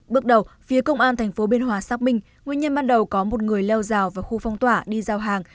bước đầu phía công an tp biên hòa xác minh nguyên nhân ban đầu có một người leo rào vào khu phong tỏa đi giao hàng